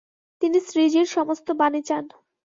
তিনি শ্রীজীর সমস্ত বাণী চান।